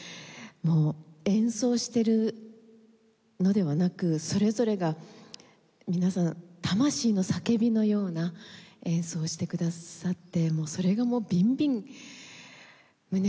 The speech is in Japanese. もう演奏してるのではなくそれぞれが皆さん魂の叫びのような演奏をしてくださってそれがもうビンビン胸に響いて。